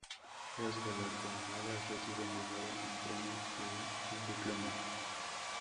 Las galardonadas reciben dinero, un premio y un diploma.